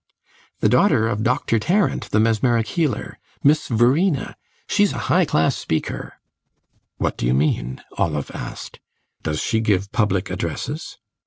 "The daughter of Doctor Tarrant, the mesmeric healer Miss Verena. She's a high class speaker." "What do you mean?" Olive asked. "Does she give public addresses?"